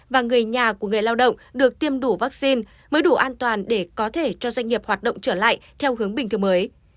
và người nhà của người lao động được tiêm đủ vaccine mới đủ an toàn để có thể cho doanh nghiệp hoạt động trở lại theo hướng bình thường mới